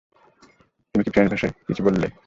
তুমি কি ফ্রেঞ্চ ভাষায় কিছু বললে?